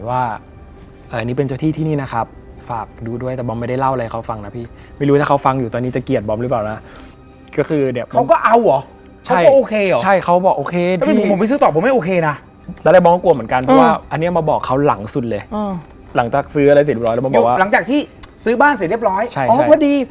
อันนี้บอกเขตหรือไม่